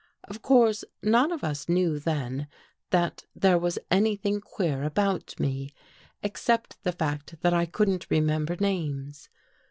Of course none of us knew then that there was anything queer about me, except the fact that I couldn't remember names.